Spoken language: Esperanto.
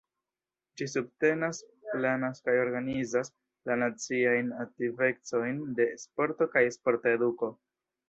Ĝi subtenas, planas kaj organizas la naciajn aktivecojn de sporto kaj sporta eduko.